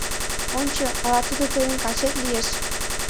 Ончо, ала тудо тыйын качет лиеш!